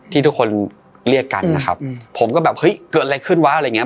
ที่ทุกคนเรียกกันนะครับผมก็แบบเฮ้ยเกิดอะไรขึ้นวะอะไรอย่างเง